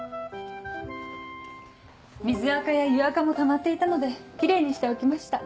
水あかや湯あかもたまっていたのでキレイにしておきました。